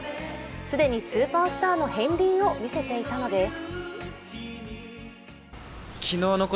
既にスーパースターの片りんを見せていたのです。